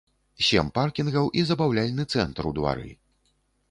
Сем паркінгаў і забаўляльны цэнтр у двары.